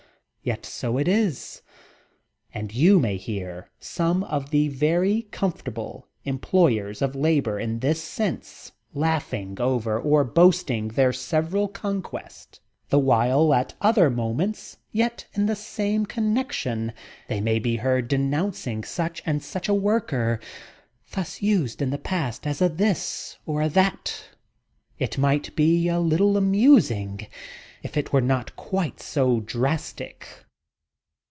Yet so it is. And you may hear some of the very comfortable employers of labor in this sense laughing over or boasting their several conquests of the while at other moments, yet in the same connection, they may be heard denouncing such and such a worker thus used in the past as a this or a that. It might be a little amusing if it were not quite so drastic.